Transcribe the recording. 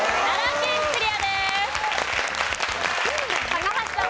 高橋さん。